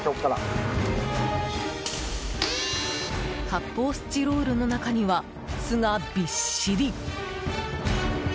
発泡スチロールの中には巣がびっしり。